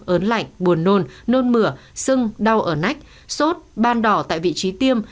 ớn lạnh buồn nôn nôn mửa sưng đau ở nách sốt ban đỏ tại vị trí tiêm